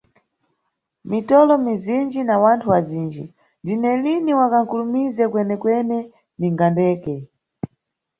Mitolo mizinji na wanthu azinji, ndine lini wa kankulumize kwene-kwene ninga ndeke.